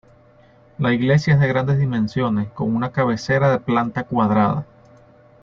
La iglesia es de grandes dimensiones, con una cabecera de planta cuadrada.